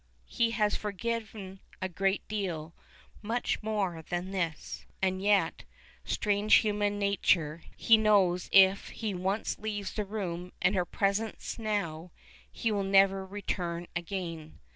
He has forgiven a great deal much more than this and yet, strange human nature, he knows if he once leaves the room and her presence now, he will never return again.